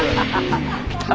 ハハハ。